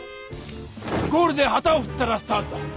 ゴールではたをふったらスタートだ！